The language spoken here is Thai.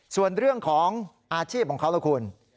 ส่วนเรื่องของอาชีพของเขาล่ะคุณ